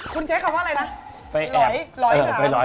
คุณใช้คำว่าอะไรนะ